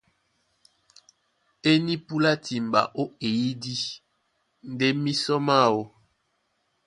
E nípúlá timba ó eyídí ndé mísɔ máō.